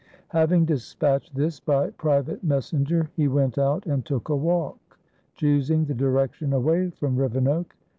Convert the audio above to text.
Having despatched this by private messenger, he went out and took a walk, choosing the direction away from Rivenoak.